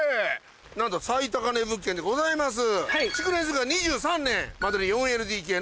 なんと最高値物件でございます。